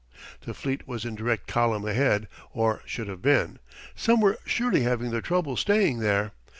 The fleet was in direct column ahead, or should have been. Some were surely having their troubles staying there.